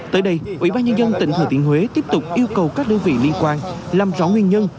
tới đây ủy ban nhân dân tỉnh thừa tiên huế tiếp tục yêu cầu các đơn vị liên quan làm rõ nguyên nhân